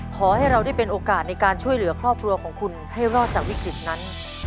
ขอให้เราได้เป็นโอกาสในการช่วยเหลือครอบครัวของคุณให้รอดจากวิกฤตนั้น